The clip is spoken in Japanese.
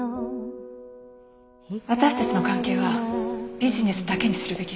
私たちの関係はビジネスだけにするべきよ。